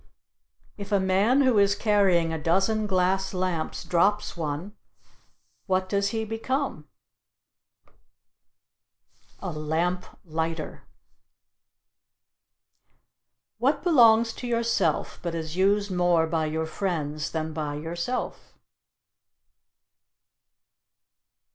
If a man who is carrying a dozen glass lamps drops one, what does he become? A lamp lighter. What belongs to yourself, but is used more by your friends than by yourself?